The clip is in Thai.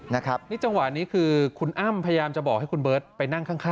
นี่จังหวะนี้คือคุณอ้ำพยายามจะบอกให้คุณเบิร์ตไปนั่งข้าง